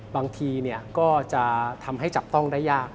บางทีก็จะทำให้จับต้องได้ยาก